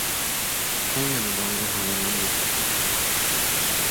今夜の晩御飯は何ですか？